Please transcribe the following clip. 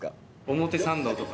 表参道とか。